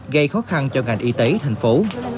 gây khó khăn cho ngành y tế thành phố